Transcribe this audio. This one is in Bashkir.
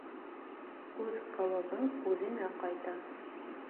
Уҙ ҡылығың үҙеңә ҡайта.